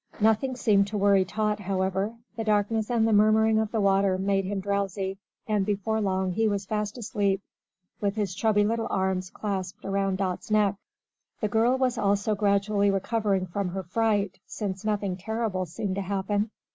Nothing seemed to worry Tot, however. The darkness and the murmuring of the water made him drowsy, and before long he was fast asleep, with his chubby little arms clasped around Dot's neck. The girl was also gradually recovering from her fright, since nothing terrible seemed to happen.